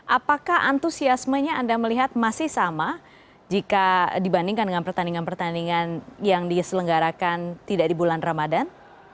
apakah antusiasmenya anda melihat masih sama jika dibandingkan dengan pertandingan pertandingan yang diselenggarakan tidak di bulan ramadan